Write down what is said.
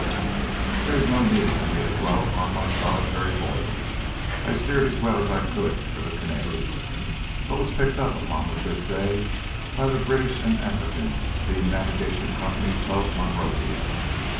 There is no need for me to dwell upon my solitary voyage. I steered as well as I could for the Canaries, but was picked up upon the fifth day by the British and African Steam Navigation Company's boat Monrovia.